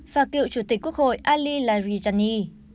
và kiệu chủ tịch quốc hội ali larijani